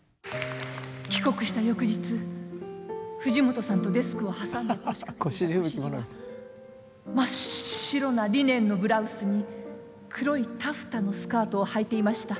帰国した翌日藤本さんとデスクを挟んで腰掛けていた越路は真っ白なリネンのブラウスに黒いタフタのスカートをはいていました。